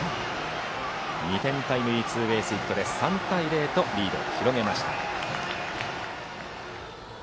２点タイムリーツーベースヒットで３対０とリードを広げました。